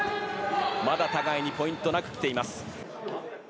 まだ互いにポイントなくきています。